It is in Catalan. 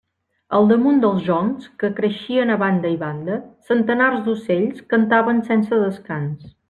Al damunt dels joncs que creixien a banda i banda, centenars d'ocells cantaven sense descans.